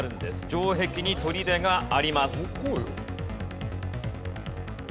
城壁に砦があります。